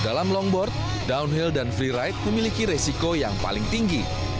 dalam longboard downhill dan free ride memiliki resiko yang paling tinggi